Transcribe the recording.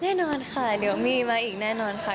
แน่นอนค่ะเดี๋ยวมีมาอีกแน่นอนค่ะ